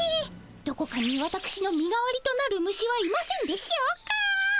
どこかにわたくしの身代わりとなる虫はいませんでしょうか？